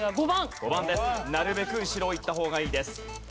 なるべく後ろをいった方がいいです。